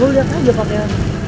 eh lo lihat aja pakaian